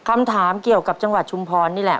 คำถามเกี่ยวกับจังหวัดชุมพรนี่แหละ